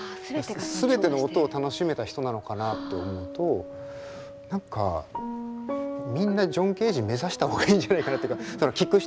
全ての音を楽しめた人なのかなって思うと何かみんなジョン・ケージ目指した方がいいんじゃないかなっていうか聴く人も。